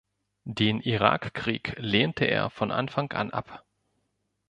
Den Irakkrieg lehnte er von Anfang an ab.